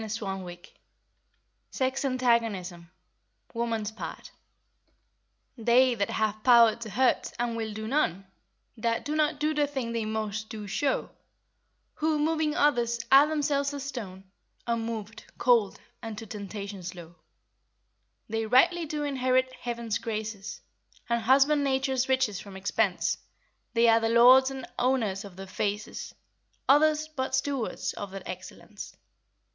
CHAPTER XV SEX ANTAGONISM (2) WOMAN'S PART "They that have power to hurt, and will do none, That do not do the thing they most do show, Who, moving others, are themselves as stone, Unmovèd, cold, and to temptation slow,— They rightly do inherit Heaven's graces, And husband nature's riches from expense; They are the lords and owners of their faces, Others, but stewards of their excellence."